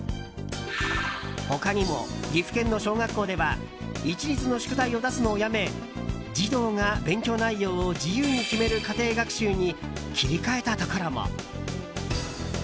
他にも、岐阜県の小学校では一律の宿題を出すのをやめ児童が勉強内容を自由に決める家庭学習に切り替えたところも。